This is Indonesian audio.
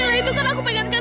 ya terima kasih ya mas